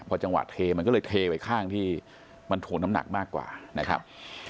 พอจังหวะเทมันก็เลยเทไปข้างที่มันถ่วงน้ำหนักมากกว่านะครับ